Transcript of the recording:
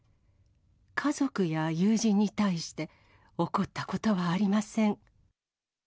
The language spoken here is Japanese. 家族や友人に対して、怒ったことはありません。